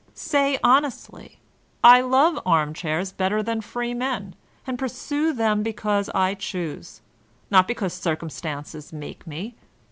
Say honestly, ''I love armchairs better than free men, and pursue them because I choose ; not because circumstances make me.